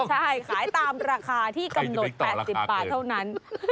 ใช่ขายตามราคาที่กำหนด๘๐บาทเท่านั้น